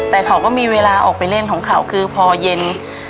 แต่เขาก็มีเวลาออกไปเล่นของเขาคือพอเย็น